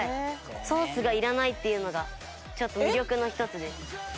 ソースがいらないっていうのが魅力の一つです。